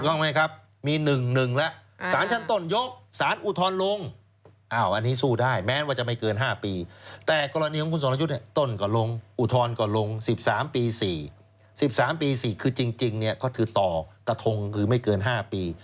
ถามว่ากรณีของชุวิตในสารชั้นต้นยกสารอุทธรพิพากษายืนตามสารล่าง